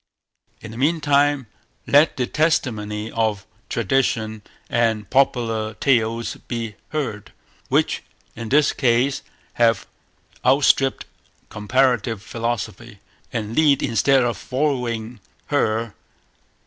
In the meantime, let the testimony of tradition and popular tales be heard, which in this case have outstripped comparative philology, and lead instead of following her.